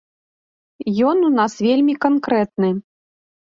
Ён у нас вельмі канкрэтны.